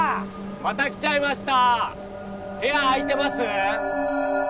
また来ちゃいましたー部屋空いてます？